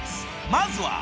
まずは］